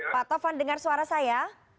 pak tovan dengar suara saya